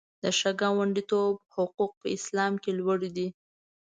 د ښه ګاونډیتوب حقوق په اسلام کې لوړ دي.